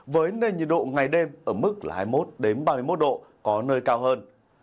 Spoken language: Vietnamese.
với nền nhiệt độ ngày đêm ở mức hai mươi một ba mươi một độ có nơi cao hơn